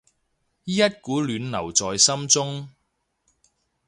一股暖流在心中